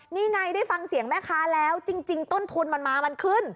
นี่ไงได้ฟังเสียงแม่ค้าแล้วจริงต้นทุนมันมามันขึ้น